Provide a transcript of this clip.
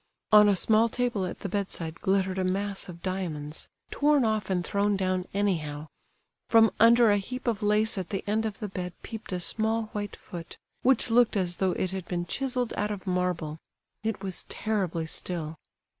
On a small table at the bedside glittered a mass of diamonds, torn off and thrown down anyhow. From under a heap of lace at the end of the bed peeped a small white foot, which looked as though it had been chiselled out of marble; it was terribly still.